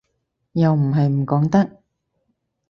又唔係唔講得